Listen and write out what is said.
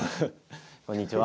こんにちは。